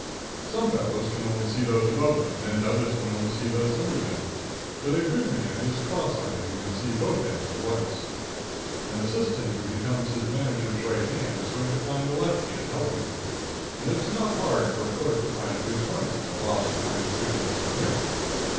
Some fellows can only see those above them, and others can only see those under them, but a good man is cross eyed and can see both ends at once. An assistant who becomes his manager's right hand is going to find the left hand helping him; and it's not hard for a clerk to find good points in a boss who finds good ones in him.